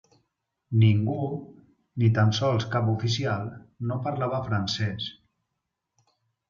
Ningú, ni tan sols cap oficial, no parlava francès